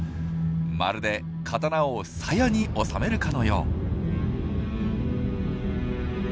まるで刀を「さや」に収めるかのよう。